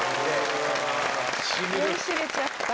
酔いしれちゃった。